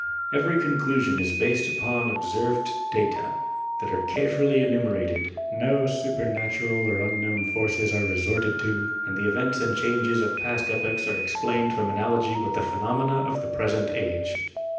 Every conclusion is based upon observed data that are carefully enumerated, no supernatural or unknown forces are resorted to and the events and changes of past epochs are explained from analogy with the phenomena of the present age.